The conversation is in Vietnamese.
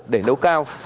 để nấu cao